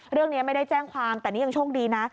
เรื่องนี้ไม่ได้แจ้งความแต่นี่ยังโชคดีนะ